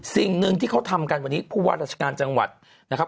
สิ่งหนึ่งที่เขาทำกันวันนี้ผู้ว่าราชการจังหวัดนะครับ